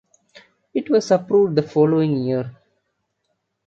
It was approved the following year.